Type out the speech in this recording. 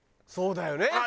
そうだよね。